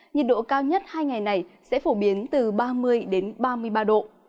nhiệt độ cao nhất hai ngày này sẽ phổ biến từ ba mươi đến ba mươi ba độ